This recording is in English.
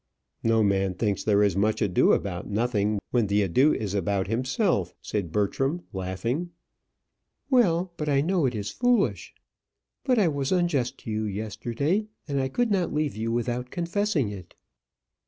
"No man thinks there is much ado about nothing when the ado is about himself," said Bertram, laughing. "Well, but I know it is foolish. But I was unjust to you yesterday, and I could not leave you without confessing it."